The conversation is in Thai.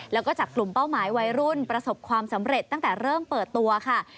แล้วก็จากกลุ่มเป้าหมายวัยรุ่นประสบความสำเร็จตั้งแต่เริ่มเปิดตัวค่ะ